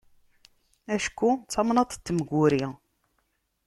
Acku d tamnaḍt n temguri.